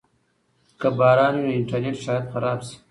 که باران وي نو انټرنیټ شاید خراب شي.